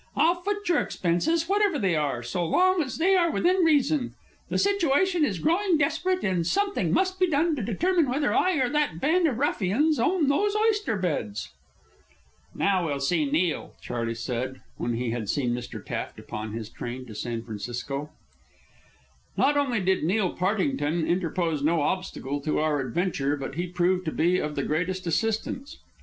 I'll foot your expenses, whatever they are, so long as they are within reason. The situation is growing desperate, and something must be done to determine whether I or that band of ruffians own those oyster beds." "Now we'll see Neil," Charley said, when he had seen Mr. Taft upon his train to San Francisco. Not only did Neil Partington interpose no obstacle to our adventure, but he proved to be of the greatest assistance.